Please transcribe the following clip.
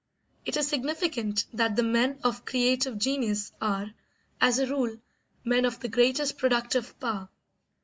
It is significant that the men of creative genius are, as a rule, men of the greatest productive power.